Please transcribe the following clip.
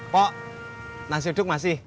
pok nasi uduk masih